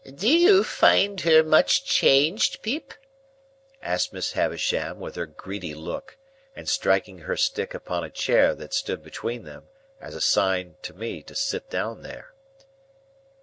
"Do you find her much changed, Pip?" asked Miss Havisham, with her greedy look, and striking her stick upon a chair that stood between them, as a sign to me to sit down there.